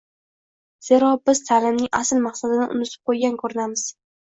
Zero, biz ta’limning asl maqsadini unutib qo‘ygan ko‘rinamiz.